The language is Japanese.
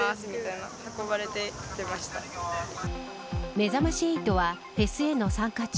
めざまし８はフェスへの参加中